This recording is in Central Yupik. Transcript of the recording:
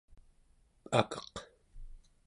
akeq